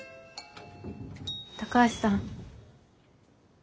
高橋さん。